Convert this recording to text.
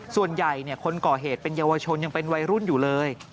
ส่วนใหญ่คนก่อเหตุเป็นเยาวชนยังเป็นวัยรุ่นอยู่เลย